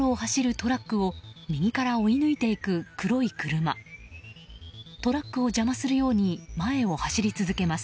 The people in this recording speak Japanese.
トラックを邪魔するように前を走り続けます。